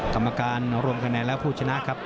กรรมการรวมคะแนนและผู้ชนะครับ